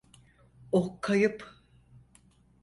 O kayıp.